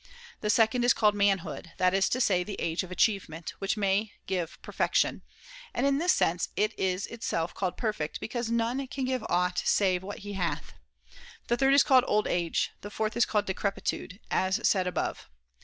The second is called ' manhood,' that is to say, the age of achievement, which may give per fection, and in this sense it is itself called 348 THE CONVIVIO Ch. Manhood perfect, because none can give aught save what and age he hath. The third is called old age. The fourth is called decrepitude, [lo] as said above.